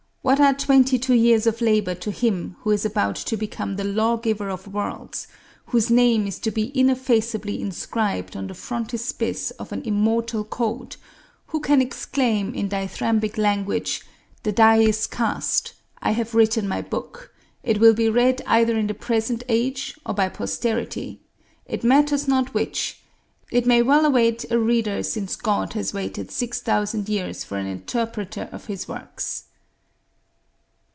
What are twenty two years of labor to him who is about to become the lawgiver of worlds; whose name is to be ineffaceably inscribed on the frontispiece of an immortal code; who can exclaim in dithyrambic language, "The die is cast: I have written my book; it will be read either in the present age or by posterity, it matters not which; it may well await a reader since God has waited six thousand years for an interpreter of his works"?